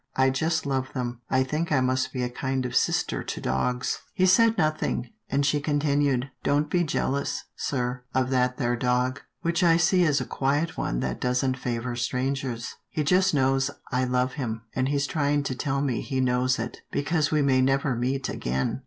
I just love them. I think I must be a kind of sister to dogs." 60 'TILDA JANE'S ORPHANS He said nothing, and she continued, Don't be jealous, sir, of that there dog, which I see is a quiet one that doesn't favour strangers. . He just knows I love him, and he's trying to tell me he knows it, because we may never meet again."